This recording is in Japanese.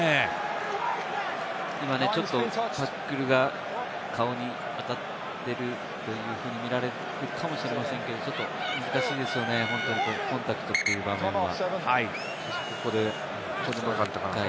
今、ちょっとタックルが顔に当たってるというふうに見られるかもしれませんけれど、ちょっと難しいですよね、本当にコンタクトという場面は。